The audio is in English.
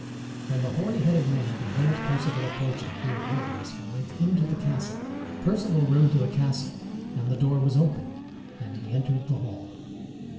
When the hoary headed man beheld Perceval approaching, he arose and went into the castle. Perceval rode to the castle, and the door was open, and he entered the hall.